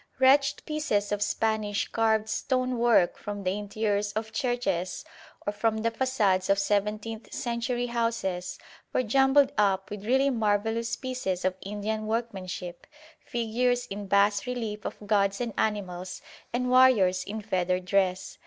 Wretched pieces of Spanish carved stone work from the interiors of churches or from the façades of seventeenth century houses, were jumbled up with really marvellous pieces of Indian workmanship, figures in bas relief of gods and animals and warriors in feathered dress.